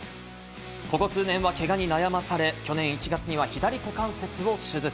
ここ数年はけがに悩まされ、去年１月には左手股関節を手術。